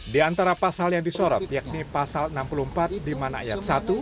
di antara pasal yang disorot yakni pasal enam puluh empat di mana ayat satu